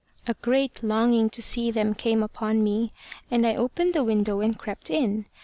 A great longing to see them came upon me, and I opened the window and crept in.